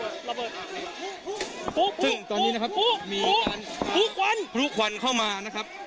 ซึ่งตอนนี้นะครับมีการพลุควันพลุควันเข้ามานะครับ